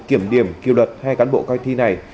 kiểm điểm kỷ luật hai cán bộ coi thi này